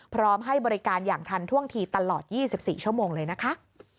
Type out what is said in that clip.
พร้อมให้บริการอย่างทันท่วงทีตลอด๒๔ชั่วโมงเลยนะคะ